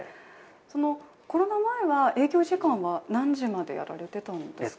コロナ前は営業時間は何時までやられていたんですか？